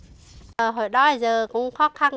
hồi đó giờ cũng khó khăn